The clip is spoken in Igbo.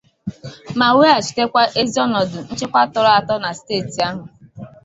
ma weghachitekwa ezi ọnọdụ nchekwa tọrọ àtọ na steeti ahụ.